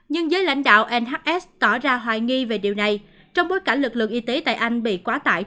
nhưng giới lãnh đạo nhs tỏ ra hoài nghi về điều này trong bối cảnh lực lượng y tế tại anh bị quá tải